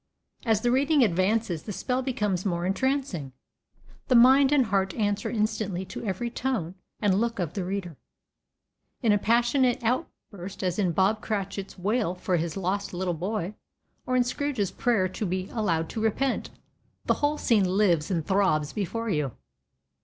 As the reading advances the spell becomes more entrancing. The mind and heart answer instantly to every tone and look of the reader. In a passionate outburst, as in Bob Cratchit's wail for his lost little boy, or in Scrooge's prayer to be allowed to repent, the whole scene lives and throbs before you.